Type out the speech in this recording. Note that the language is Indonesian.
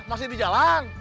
masih di jalan